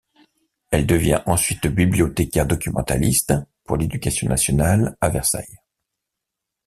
Elle devient ensuite bibliothécaire-documentaliste pour l'Éducation nationale à Versailles.